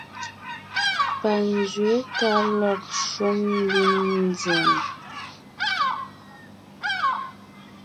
Panzwě ka lɔg shúm ḿbiŋ nzèm.